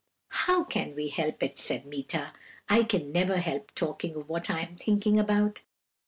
"'How can we help it?' said Meeta; 'I can never help talking of what I am thinking about.'